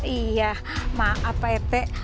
iya maaf pak rete